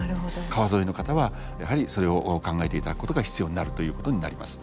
川沿いの方はやはりそれを考えていただくことが必要になるということになります。